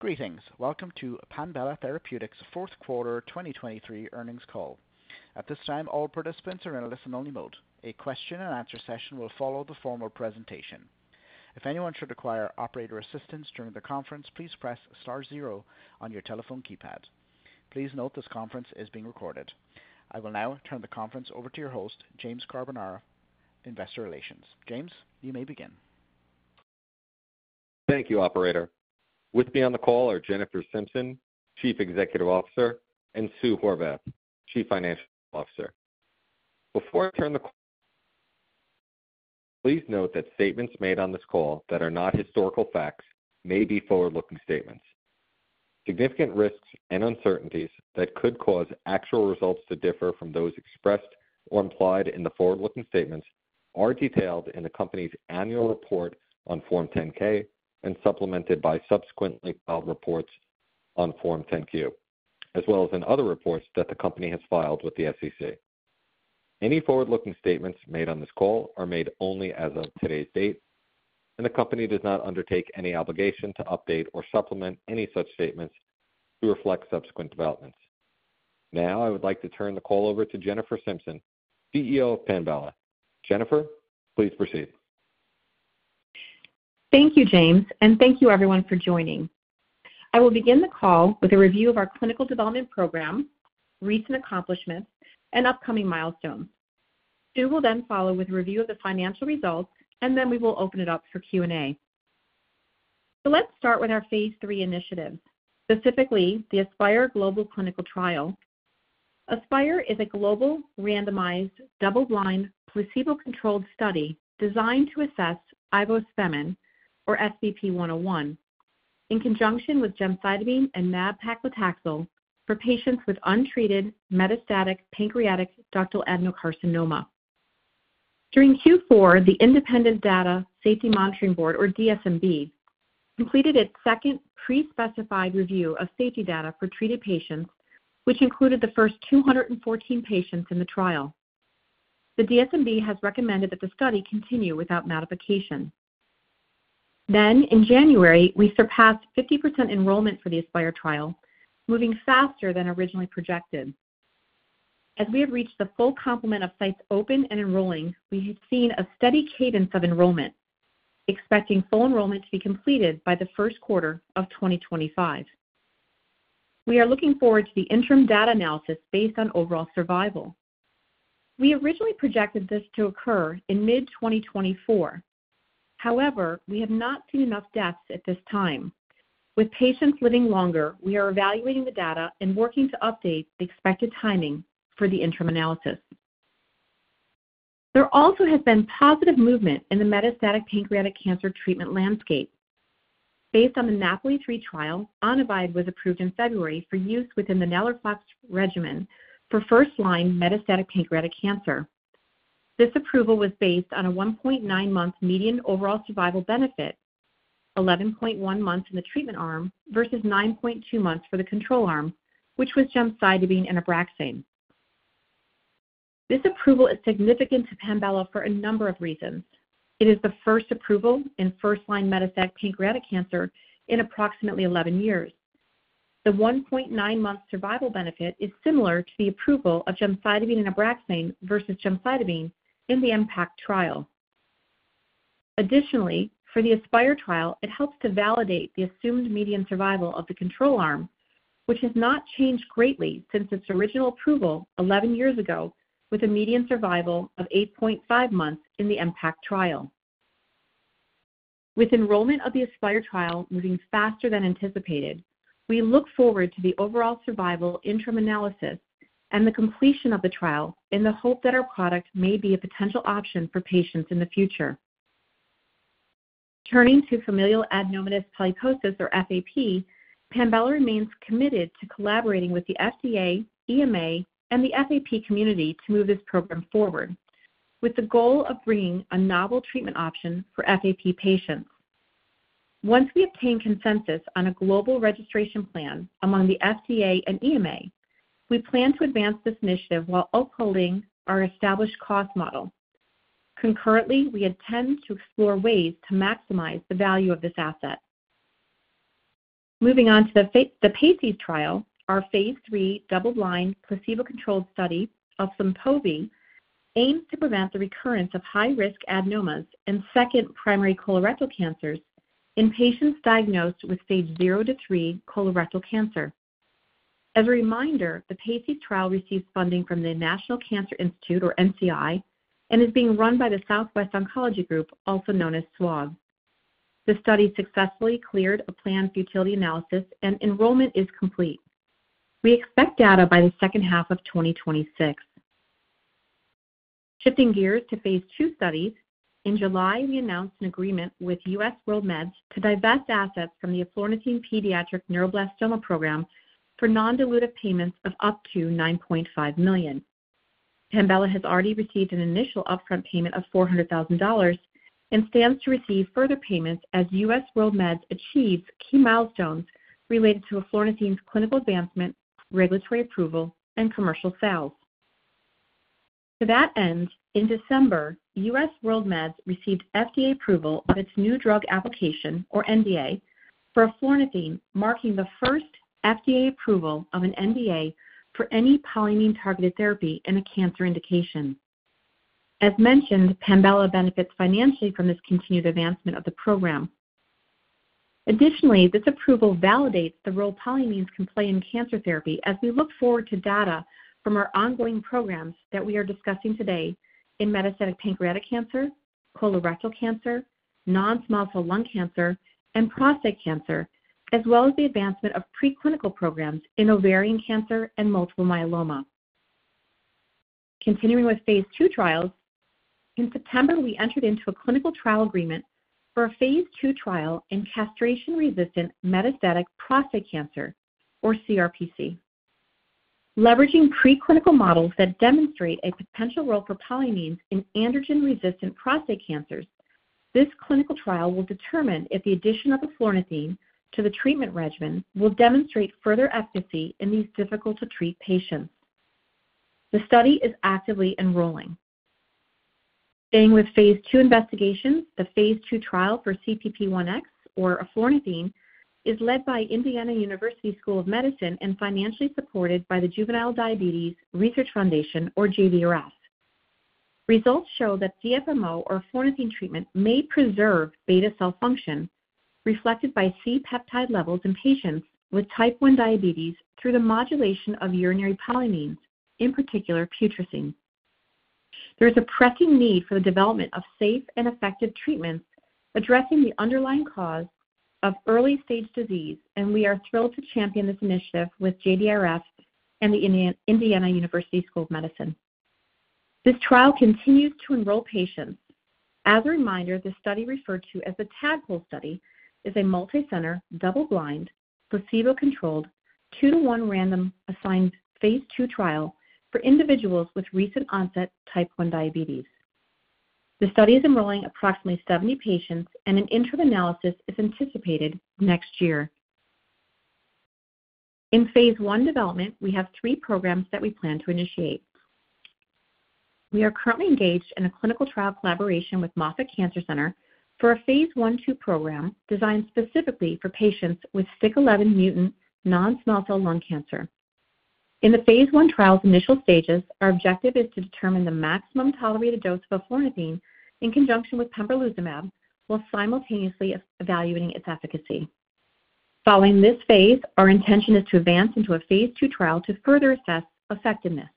Greetings. Welcome to Panbela Therapeutics Q4 2023 Earnings Call. At this time, all participants are in a listen-only mode. A question-and-answer session will follow the formal presentation. If anyone should require operator assistance during the conference, please press star zero on your telephone keypad. Please note this conference is being recorded. I will now turn the conference over to your host, James Carbonara, Investor Relations. James, you may begin. Thank you, operator. With me on the call are Jennifer Simpson, Chief Executive Officer, and Sue Horvath, Chief Financial Officer. Before I turn the call, please note that statements made on this call that are not historical facts may be forward-looking statements. Significant risks and uncertainties that could cause actual results to differ from those expressed or implied in the forward-looking statements are detailed in the company's annual report on Form 10-K and supplemented by subsequently filed reports on Form 10-Q, as well as in other reports that the company has filed with the SEC. Any forward-looking statements made on this call are made only as of today's date, and the company does not undertake any obligation to update or supplement any such statements to reflect subsequent developments. Now I would like to turn the call over to Jennifer Simpson, CEO of Panbela. Jennifer, please proceed. Thank you, James, and thank you, everyone, for joining. I will begin the call with a review of our clinical development program, recent accomplishments, and upcoming milestones. Sue will then follow with a review of the financial results, and then we will open it up for Q&A. Let's start with our phase III initiatives, specifically the ASPIRE Global Clinical Trial. ASPIRE is a global, randomized, double-blind, placebo-controlled study designed to assess Ivospemin, or SVP-101, in conjunction with gemcitabine and nab-paclitaxel for patients with untreated metastatic pancreatic ductal adenocarcinoma. During Q4, the Independent Data Safety Monitoring Board, or DSMB, completed its second pre-specified review of safety data for treated patients, which included the first 214 patients in the trial. The DSMB has recommended that the study continue without modification. In January, we surpassed 50% enrollment for the ASPIRE trial, moving faster than originally projected. As we have reached the full complement of sites open and enrolling, we have seen a steady cadence of enrollment, expecting full enrollment to be completed by the first quarter of 2025. We are looking forward to the interim data analysis based on overall survival. We originally projected this to occur in mid-2024. However, we have not seen enough deaths at this time. With patients living longer, we are evaluating the data and working to update the expected timing for the interim analysis. There also has been positive movement in the metastatic pancreatic cancer treatment landscape. Based on the NAPOLI-3 trial, Onivide was approved in February for use within the NALIRIFOX regimen for first-line metastatic pancreatic cancer. This approval was based on a 1.9-month median overall survival benefit, 11.1 months in the treatment arm versus 9.2 months for the control arm, which was gemcitabine and Abraxane. This approval is significant to Panbela for a number of reasons. It is the first approval in first-line metastatic pancreatic cancer in approximately 11 years. The 1.9-month survival benefit is similar to the approval of gemcitabine and Abraxane versus gemcitabine in the MPACT trial. Additionally, for the ASPIRE trial, it helps to validate the assumed median survival of the control arm, which has not changed greatly since its original approval 11 years ago, with a median survival of 8.5 months in the MPACT trial. With enrollment of the ASPIRE trial moving faster than anticipated, we look forward to the overall survival interim analysis and the completion of the trial in the hope that our product may be a potential option for patients in the future. Turning to familial adenomatous polyposis, or FAP, Panbela remains committed to collaborating with the FDA, EMA, and the FAP community to move this program forward, with the goal of bringing a novel treatment option for FAP patients. Once we obtain consensus on a global registration plan among the FDA and EMA, we plan to advance this initiative while upholding our established cost model. Concurrently, we intend to explore ways to maximize the value of this asset. Moving on to the PACES trial, our phase III double-blind placebo-controlled study of Flynpovi aims to prevent the recurrence of high-risk adenomas in second primary colorectal cancers in patients diagnosed with stage zero to three colorectal cancer. As a reminder, the PACES trial receives funding from the National Cancer Institute, or NCI, and is being run by the Southwest Oncology Group, also known as SWOG. The study successfully cleared a planned futility analysis, and enrollment is complete. We expect data by the second half of 2026. Shifting gears to phase II studies, in July, we announced an agreement with US WorldMeds to divest assets from the eflornithine Pediatric Neuroblastoma Program for non-dilutive payments of up to $9.5 million. Panbela has already received an initial upfront payment of $400,000 and stands to receive further payments as US WorldMeds achieves key milestones related to eflornithine's clinical advancement, regulatory approval, and commercial sales. To that end, in December, US WorldMeds received FDA approval of its new drug application, or NDA, for eflornithine, marking the first FDA approval of an NDA for any polyamine-targeted therapy and a cancer indication. As mentioned, Panbela benefits financially from this continued advancement of the program. Additionally, this approval validates the role polyamines can play in cancer therapy, as we look forward to data from our ongoing programs that we are discussing today in metastatic pancreatic cancer, colorectal cancer, non-small cell lung cancer, and prostate cancer, as well as the advancement of preclinical programs in ovarian cancer and multiple myeloma. Continuing with phase II trials, in September, we entered into a clinical trial agreement for a phase II trial in castration-resistant metastatic prostate cancer, or CRPC. Leveraging preclinical models that demonstrate a potential role for polyamines in androgen-resistant prostate cancers, this clinical trial will determine if the addition of Eflornithine to the treatment regimen will demonstrate further efficacy in these difficult-to-treat patients. The study is actively enrolling. Staying with phase II investigations, the phase II trial for CPP-1X, or eflornithine, is led by Indiana University School of Medicine and financially supported by the Juvenile Diabetes Research Foundation, or JDRF. Results show that DFMO, or eflornithine treatment, may preserve beta cell function reflected by C-peptide levels in patients with type 1 diabetes through the modulation of urinary polyamines, in particular putrescine. There is a pressing need for the development of safe and effective treatments addressing the underlying cause of early-stage disease, and we are thrilled to champion this initiative with JDRF and the Indiana University School of Medicine. This trial continues to enroll patients. As a reminder, the study referred to as the TADPOL study is a multicenter, double-blind, placebo-controlled, two to one randomized phase II trial for individuals with recent onset type 1 diabetes. The study is enrolling approximately 70 patients, and an interim analysis is anticipated next year. In phase I development, we have three programs that we plan to initiate. We are currently engaged in a clinical trial collaboration with Moffitt Cancer Center for a phase I/II program designed specifically for patients with STK11 mutant non-small cell lung cancer. In the phase I trial's initial stages, our objective is to determine the maximum tolerated dose of Eflornithine in conjunction with pembrolizumab while simultaneously evaluating its efficacy. Following this phase, our intention is to advance into a phase II trial to further assess effectiveness.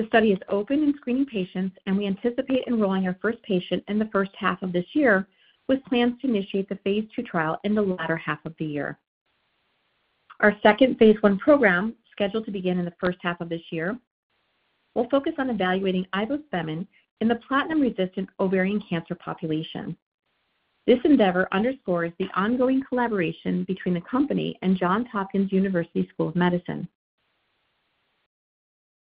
The study is open in screening patients, and we anticipate enrolling our first patient in the first half of this year with plans to initiate the phase II trial in the latter half of the year. Our second phase I program, scheduled to begin in the first half of this year, will focus on evaluating Ivospemin in the platinum-resistant ovarian cancer population. This endeavor underscores the ongoing collaboration between the company and Johns Hopkins University School of Medicine.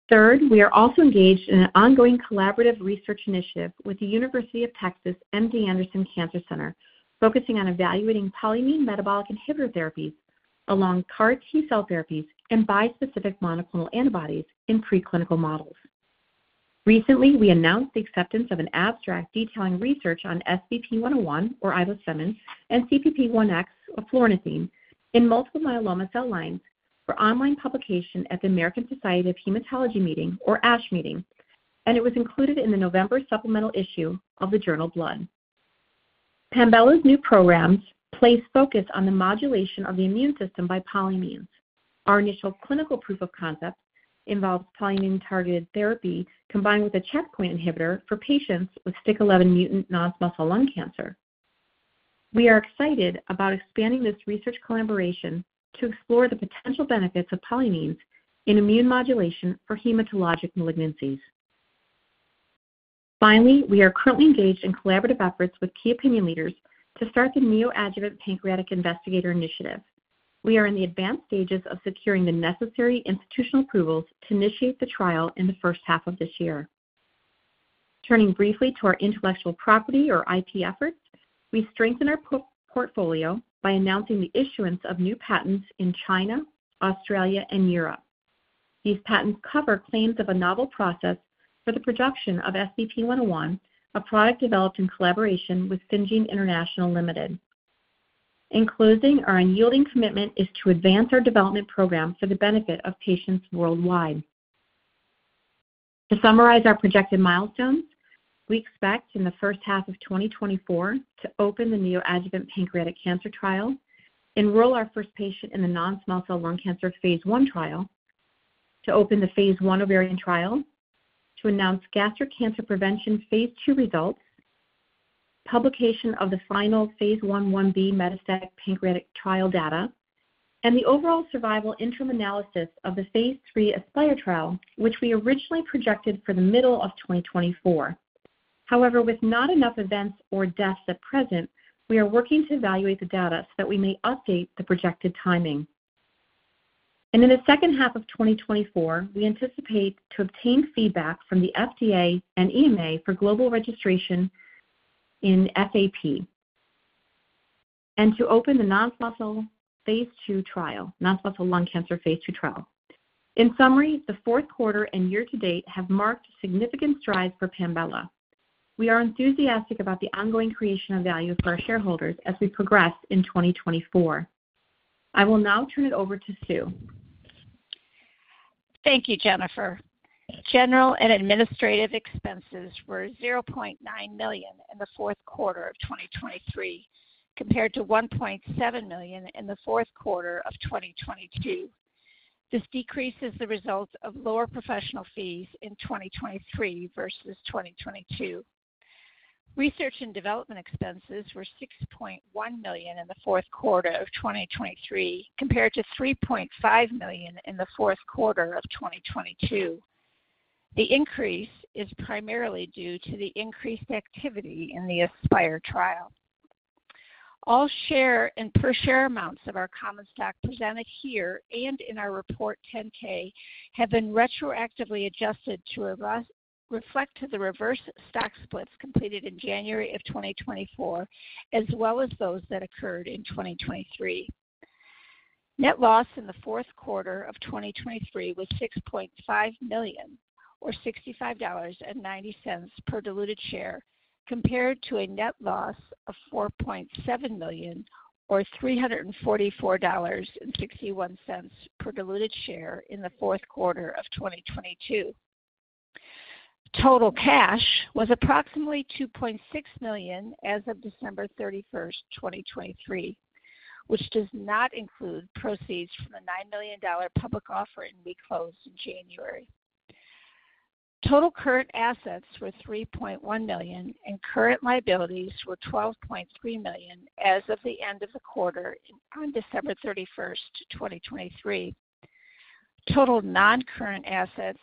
Third, we are also engaged in an ongoing collaborative research initiative with the University of Texas MD Anderson Cancer Center, focusing on evaluating polyamine metabolic inhibitor therapies along CAR-T cell therapies and bispecific monoclonal antibodies in preclinical models. Recently, we announced the acceptance of an abstract detailing research on SVP-101, or Ivospemin, and CPP-1X, eflornithine, in multiple myeloma cell lines for online publication at the American Society of Hematology Meeting, or ASH Meeting, and it was included in the November supplemental issue of the journal Blood. Panbela's new programs place focus on the modulation of the immune system by polyamines. Our initial clinical proof of concept involves polyamine-targeted therapy combined with a checkpoint inhibitor for patients with STK11 mutant non-small cell lung cancer. We are excited about expanding this research collaboration to explore the potential benefits of polyamines in immune modulation for hematologic malignancies. Finally, we are currently engaged in collaborative efforts with key opinion leaders to start the Neoadjuvant Pancreatic Investigator Initiative. We are in the advanced stages of securing the necessary institutional approvals to initiate the trial in the first half of this year. Turning briefly to our intellectual property, or IP, efforts, we strengthen our portfolio by announcing the issuance of new patents in China, Australia, and Europe. These patents cover claims of a novel process for the production of SVP-101, a product developed in collaboration with Syngene International Limited. In closing, our unyielding commitment is to advance our development program for the benefit of patients worldwide. To summarize our projected milestones, we expect in the first half of 2024 to open the Neoadjuvant Pancreatic Cancer Trial, enroll our first patient in the non-small cell lung cancer phase I trial, to open the phase I ovarian trial, to announce gastric cancer prevention phase II results, publication of the final phase I-B metastatic pancreatic trial data, and the overall survival interim analysis of the phase III ASPIRE trial, which we originally projected for the middle of 2024. However, with not enough events or deaths at present, we are working to evaluate the data so that we may update the projected timing. In the second half of 2024, we anticipate to obtain feedback from the FDA and EMA for global registration in FAP and to open the non-small cell phase II trial, non-small cell lung cancer phase II trial. In summary, the Q4 and year to date have marked significant strides for Panbela. We are enthusiastic about the ongoing creation of value for our shareholders as we progress in 2024. I will now turn it over to Sue. Thank you, Jennifer. General and administrative expenses were $0.9 million in the Q4 of 2023 compared to $1.7 million in the Q4 of 2022. This decreases the results of lower professional fees in 2023 versus 2022. Research and development expenses were $6.1 million in the Q4 of 2023 compared to $3.5 million in the Q4 of 2022. The increase is primarily due to the increased activity in the ASPIRE trial. All share and per share amounts of our common stock presented here and in our 10-K have been retroactively adjusted to reflect the reverse stock splits completed in January of 2024 as well as those that occurred in 2023. Net loss in the Q4 of 2023 was $6.5 million, or $65.90, per diluted share compared to a net loss of $4.7 million, or $344.61, per diluted share in the Q4 of 2022. Total cash was approximately $2.6 million as of December 31st, 2023, which does not include proceeds from the $9 million public offering we closed in January. Total current assets were $3.1 million, and current liabilities were $12.3 million as of the end of the quarter on December 31st, 2023. Total non-current assets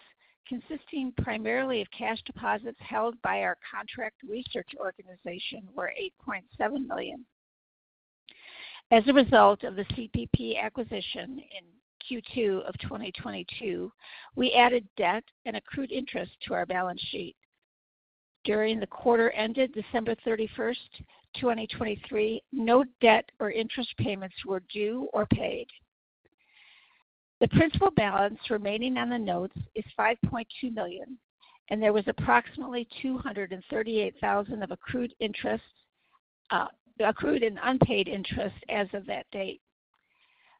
consisting primarily of cash deposits held by our contract research organization were $8.7 million. As a result of the CPP acquisition in Q2 of 2022, we added debt and accrued interest to our balance sheet. During the quarter ended December 31st, 2023, no debt or interest payments were due or paid. The principal balance remaining on the notes is $5.2 million, and there was approximately $238,000 of accrued interest accrued and unpaid interest as of that date.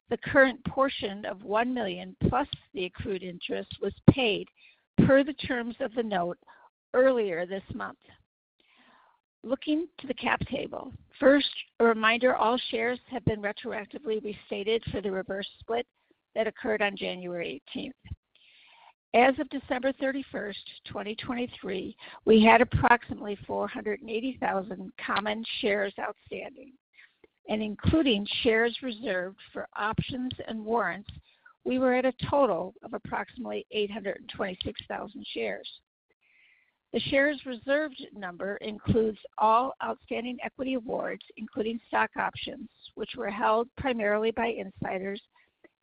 The current portion of $1 million plus the accrued interest was paid per the terms of the note earlier this month. Looking to the cap table, first, a reminder, all shares have been retroactively restated for the reverse split that occurred on January 18th. As of December 31st, 2023, we had approximately 480,000 common shares outstanding. Including shares reserved for options and warrants, we were at a total of approximately 826,000 shares. The shares reserved number includes all outstanding equity awards, including stock options, which were held primarily by insiders,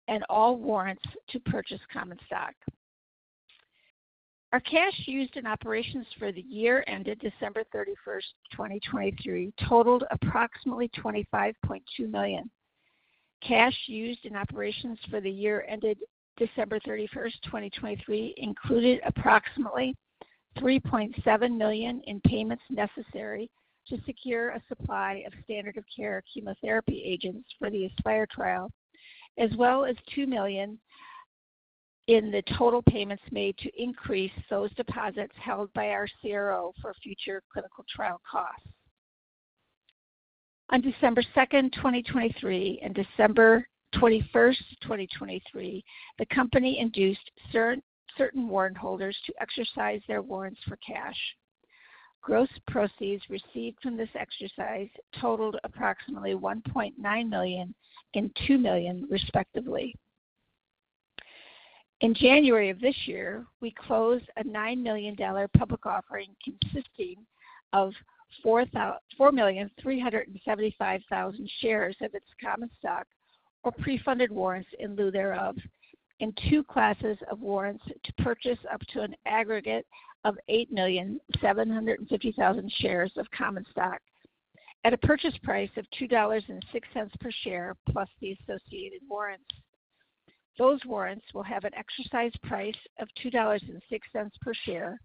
and all warrants to purchase common stock. Our cash used in operations for the year ended December 31st, 2023, totaled approximately $25.2 million. Cash used in operations for the year ended December 31st, 2023, included approximately $3.7 million in payments necessary to secure a supply of standard-of-care chemotherapy agents for the ASPIRE trial, as well as $2 million in the total payments made to increase those deposits held by our CRO for future clinical trial costs. On December 2nd, 2023, and December 21st, 2023, the company induced certain warrant holders to exercise their warrants for cash. Gross proceeds received from this exercise totaled approximately $1.9 million and $2 million, respectively. In January of this year, we closed a $9 million public offering consisting of 4,375,000 shares of its common stock or pre-funded warrants in lieu thereof, and two classes of warrants to purchase up to an aggregate of 8,750,000 shares of common stock at a purchase price of $2.06 per share plus the associated warrants. Those warrants will have an exercise price of $2.06 per share,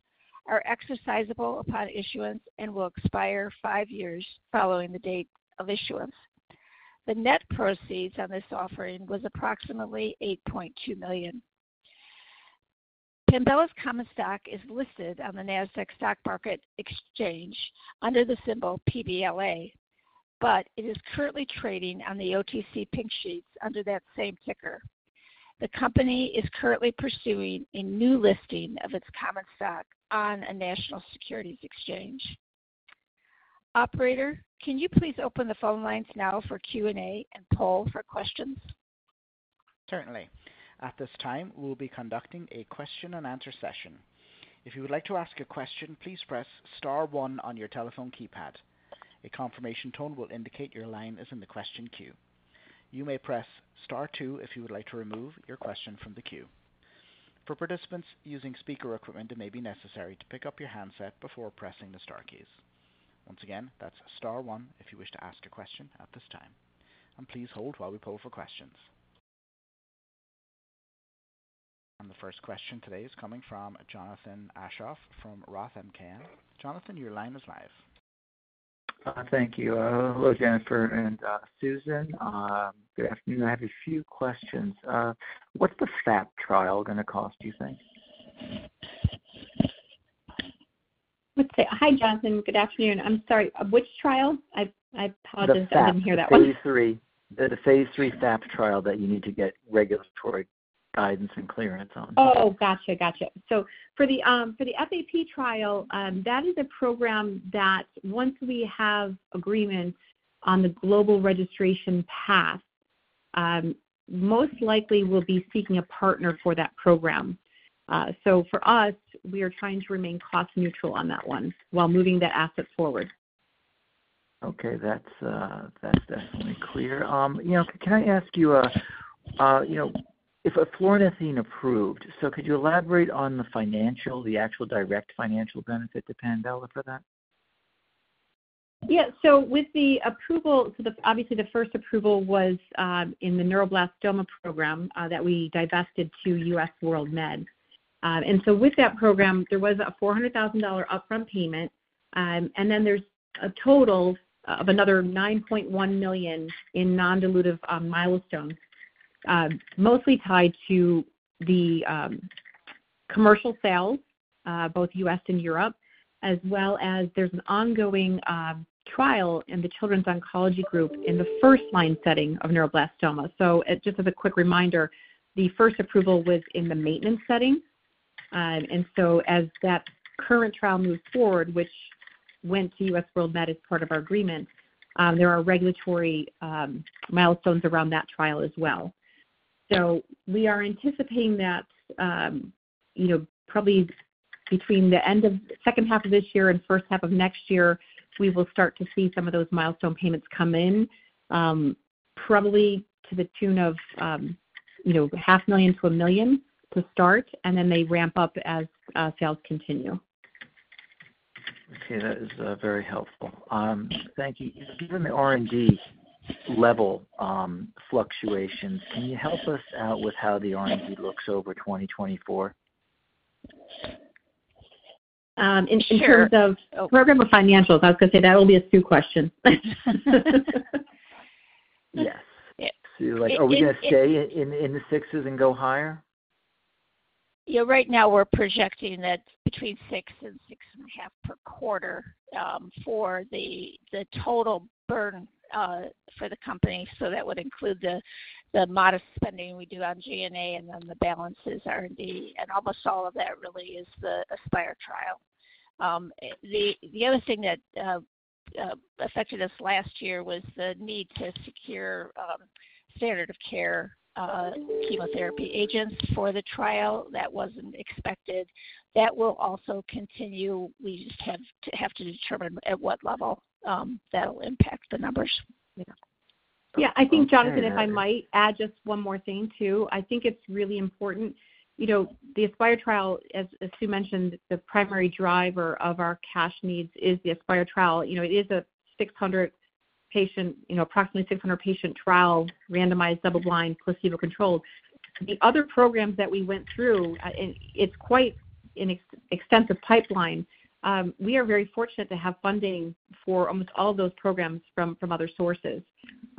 are exercisable upon issuance, and will expire five years following the date of issuance. The net proceeds on this offering was approximately $8.2 million. Panbela's common stock is listed on the Nasdaq Stock Market Exchange under the symbol PBLA, but it is currently trading on the OTC Pink Sheets under that same ticker. The company is currently pursuing a new listing of its common stock on a national securities exchange. Operator, can you please open the phone lines now for Q&A and poll for questions? Certainly. At this time, we will be conducting a question-and-answer session. If you would like to ask a question, please press star one on your telephone keypad. A confirmation tone will indicate your line is in the question queue. You may press star two if you would like to remove your question from the queue. For participants using speaker equipment, it may be necessary to pick up your handset before pressing the star keys. Once again, that's star one if you wish to ask a question at this time. Please hold while we poll for questions. The first question today is coming from Jonathan Aschoff from Roth MKM. Jonathan, your line is live. Thank you. Hello, Jennifer and Susan. Good afternoon. I have a few questions. What's the FAP trial going to cost, do you think? Hi, Jonathan. Good afternoon. I'm sorry. Which trial? I apologize. I didn't hear that one. The ASPIRE phase III. The phase III ASPIRE trial that you need to get regulatory guidance and clearance on. Oh, gotcha. Gotcha. So for the FAP trial, that is a program that once we have agreements on the global registration path, most likely we'll be seeking a partner for that program. So for us, we are trying to remain cost-neutral on that one while moving that asset forward. Okay. That's definitely clear. Can I ask you, if Eflornithine approved, so could you elaborate on the financial, the actual direct financial benefit to Panbela for that? Yeah. So with the approval, so obviously, the first approval was in the neuroblastoma program that we divested to US WorldMeds. And so with that program, there was a $400,000 upfront payment. And then there's a total of another $9.1 million in non-dilutive milestones, mostly tied to the commercial sales, both U.S. and Europe, as well as there's an ongoing trial in the Children's Oncology Group in the first-line setting of neuroblastoma. So just as a quick reminder, the first approval was in the maintenance setting. And so as that current trial moves forward, which went to US WorldMeds as part of our agreement, there are regulatory milestones around that trial as well. We are anticipating that probably between the end of second half of this year and first half of next year, we will start to see some of those milestone payments come in, probably to the tune of $0.5 million-$1 million to start, and then they ramp up as sales continue. Okay. That is very helpful. Thank you. Given the R&D level fluctuations, can you help us out with how the R&D looks over 2024? In terms of program or financials? I was going to say that will be a Sue question. Yes. Sue, are we going to stay in the sixes and go higher? Yeah. Right now, we're projecting that between $6 million and $6.5 million per quarter for the total burn for the company. So that would include the modest spending we do on G&A and then the balances, R&D, and almost all of that really is the ASPIRE trial. The other thing that affected us last year was the need to secure standard-of-care chemotherapy agents for the trial. That wasn't expected. That will also continue. We just have to determine at what level that'll impact the numbers. Yeah. I think, Jonathan, if I might add just one more thing too. I think it's really important. The ASPIRE trial, as Sue mentioned, the primary driver of our cash needs is the ASPIRE trial. It is approximately 600-patient trial, randomized, double-blind, placebo-controlled. The other programs that we went through, and it's quite an extensive pipeline, we are very fortunate to have funding for almost all of those programs from other sources.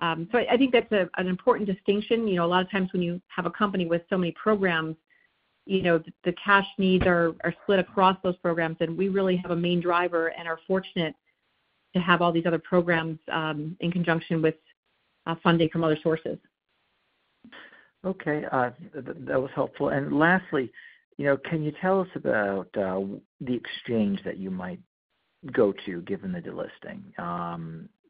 So I think that's an important distinction. A lot of times when you have a company with so many programs, the cash needs are split across those programs, and we really have a main driver and are fortunate to have all these other programs in conjunction with funding from other sources. Okay. That was helpful. Lastly, can you tell us about the exchange that you might go to given the delisting?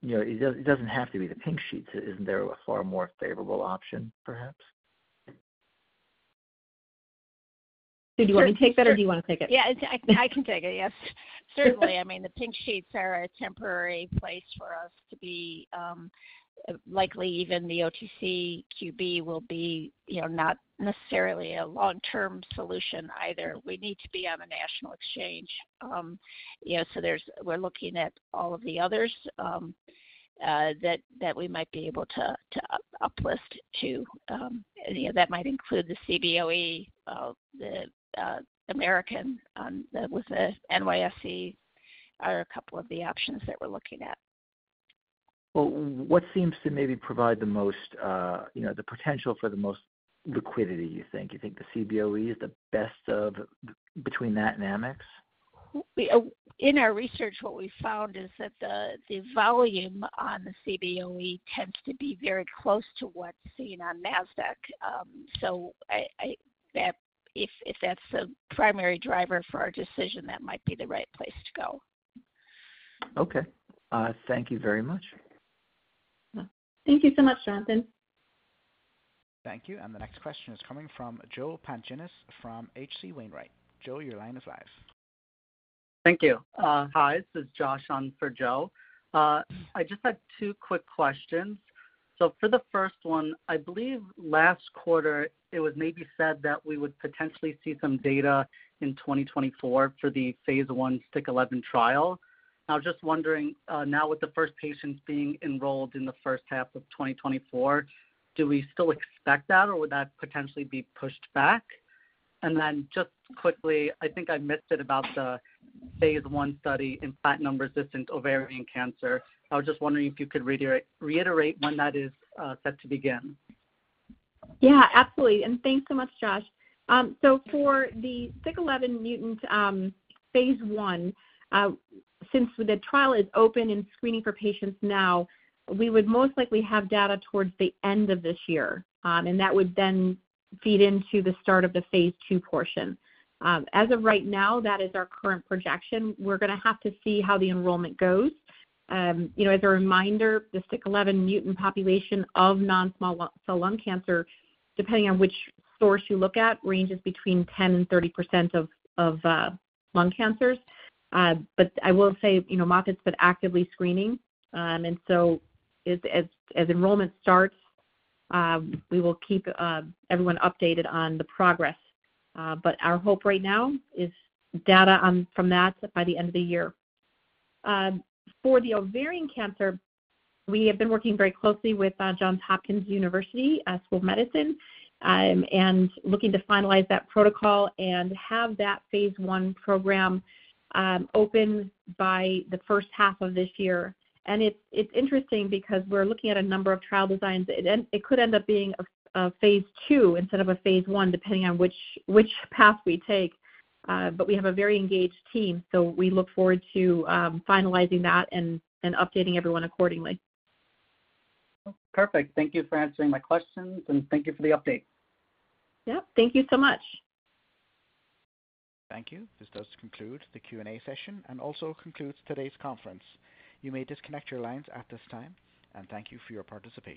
It doesn't have to be the pink sheets. Isn't there a far more favorable option, perhaps? Sue, do you want me to take that, or do you want to take it? Yeah. I can take it. Yes. Certainly. I mean, the pink sheets are a temporary place for us to be. Likely, even the OTCQB will be not necessarily a long-term solution either. We need to be on a national exchange. So we're looking at all of the others that we might be able to uplist to. That might include the CBOE, the American with the NYSE are a couple of the options that we're looking at. Well, what seems to maybe provide the most the potential for the most liquidity, do you think? Do you think the CBOE is the best between that and Amex? In our research, what we found is that the volume on the CBOE tends to be very close to what's seen on NASDAQ. So if that's the primary driver for our decision, that might be the right place to go. Okay. Thank you very much. Thank you so much, Jonathan. Thank you. And the next question is coming from Joe Pantginis from H.C. Wainwright. Joe, your line is live. Thank you. Hi. This is Josh on for Joe. I just had two quick questions. For the first one, I believe last quarter, it was maybe said that we would potentially see some data in 2024 for the phase I STK11 trial. I was just wondering, now with the first patients being enrolled in the first half of 2024, do we still expect that, or would that potentially be pushed back? And then just quickly, I think I missed it about the phase I study in platinum-resistant ovarian cancer. I was just wondering if you could reiterate when that is set to begin. Yeah. Absolutely. And thanks so much, Josh. So for the STK11 mutant phase I, since the trial is open and screening for patients now, we would most likely have data towards the end of this year. And that would then feed into the start of the phase II portion. As of right now, that is our current projection. We're going to have to see how the enrollment goes. As a reminder, the STK11 mutant population of non-small cell lung cancer, depending on which source you look at, ranges between 10%-30% of lung cancers. But I will say Moffitt's been actively screening. And so as enrollment starts, we will keep everyone updated on the progress. But our hope right now is data from that by the end of the year. For the ovarian cancer, we have been working very closely with Johns Hopkins University School of Medicine and looking to finalize that protocol and have that phase I program open by the first half of this year. It's interesting because we're looking at a number of trial designs. It could end up being a phase II instead of a phase I, depending on which path we take. But we have a very engaged team. We look forward to finalizing that and updating everyone accordingly. Perfect. Thank you for answering my questions, and thank you for the update. Yep. Thank you so much. Thank you. This does conclude the Q&A session and also concludes today's conference. You may disconnect your lines at this time. Thank you for your participation.